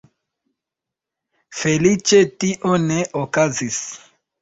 Feliĉe tio ne okazis.